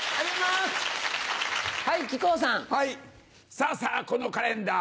さぁさぁこのカレンダー